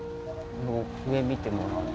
上見てもらうと。